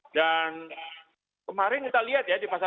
dan kemarin kita lihat ya